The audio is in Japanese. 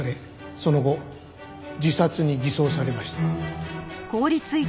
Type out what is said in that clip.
その後自殺に偽装されました。